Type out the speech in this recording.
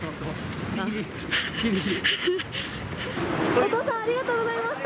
お父さん、ありがとうございました。